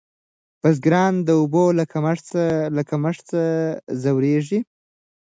بزګران د اوبو له کمښت ځوریږي.